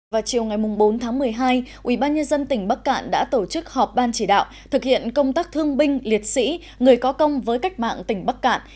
vào chiều ngày bốn tháng một mươi hai ubnd tỉnh bắc cạn đã tổ chức họp ban chỉ đạo thực hiện công tác thương binh liệt sĩ người có công với cách mạng tỉnh bắc cạn